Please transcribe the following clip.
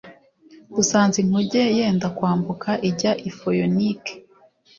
Dusanze inkuge yenda kwambuka ijya i Foyinike